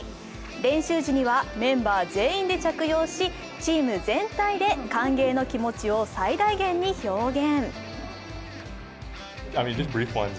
練習時にはメンバー全員で着用し、チーム全体で歓迎の気持ちを最大限に表現。